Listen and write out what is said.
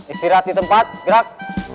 istirahat di tempat gerak